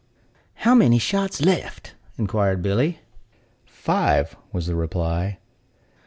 "How many shots left?" inquired Billy. "Five," was the reply.